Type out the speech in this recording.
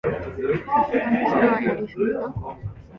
さすがにそれはやりすぎだ